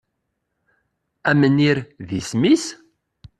Amnir i d isem-is?